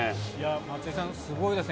松井さん、すごいですね。